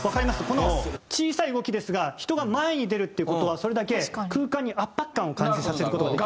この小さい動きですが人が前に出るっていう事はそれだけ空間に圧迫感を感じさせる事ができるんです。